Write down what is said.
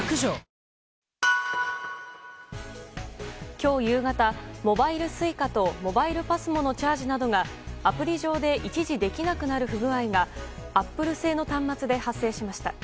今日夕方モバイルＳｕｉｃａとモバイルＰＡＳＭＯのチャージなどがアプリ上で一時できなくなる不具合がアップル製の端末で発生しました。